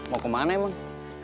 mau kemana emang